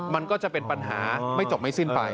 มันก็จะเป็นปัญหาไม่จบไม่สิ้นไป